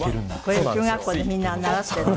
これ中学校でみんなが習っているの？